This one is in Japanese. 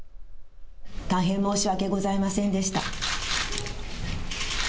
大変、申し訳ございませんでした。